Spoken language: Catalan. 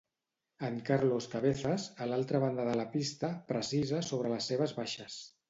En Carlos Cabezas, a l'altra banda de la pista, precisa sobre les seves baixes.